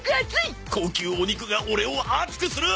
高級お肉がオレを熱くする！